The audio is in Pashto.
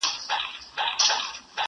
غېږه تشه ستا له سپینو مړوندونو٫